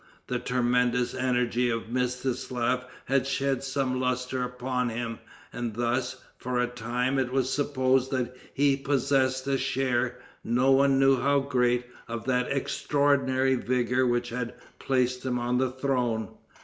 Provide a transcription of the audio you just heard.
The tremendous energy of Mstislaf had shed some luster upon him, and thus, for a time, it was supposed that he possessed a share, no one knew how great, of that extraordinary vigor which had placed him on the throne.